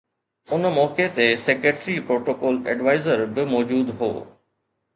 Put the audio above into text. ان موقعي تي secretary protocol adviser به موجود هو